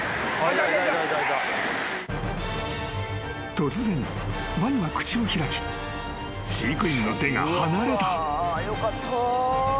［突然ワニは口を開き飼育員の手が放れた］